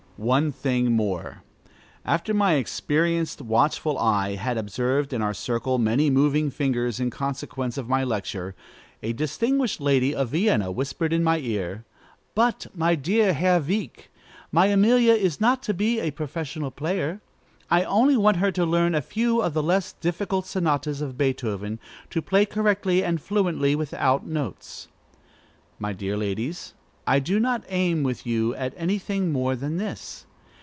One thing more. After my experienced, watchful eye had observed in our circle many moving fingers in consequence of my lecture, a distinguished lady of Vienna whispered in my ear: "But, my dear Herr Wieck, my Amelia is not to be a professional player: I only want her to learn a few of the less difficult sonatas of Beethoven, to play correctly and fluently, without notes." My dear ladies, I do not aim with you at any thing more than this.